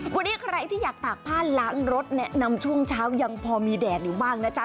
วันนี้ใครที่อยากตากผ้าล้างรถแนะนำช่วงเช้ายังพอมีแดดอยู่บ้างนะจ๊ะ